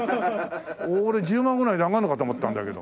俺１０万ぐらいで上がるのかと思ったんだけど。